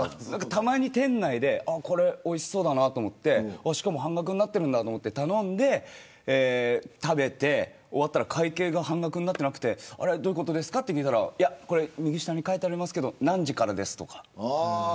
たまに店内でおいしそうだなと思って半額になっているなと頼んで食べて終わったら会計が半額になっていなくてどういうことですかって聞いたら右下に書いてありますけど何時からですとか。